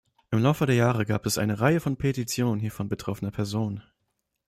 Im Laufe der Jahre gab es eine Reihe von Petitionen hiervon betroffener Personen.